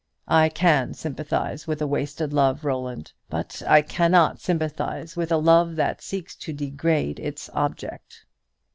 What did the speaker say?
I can sympathize with a wasted love, Roland; but I cannot sympathize with a love that seeks to degrade its object."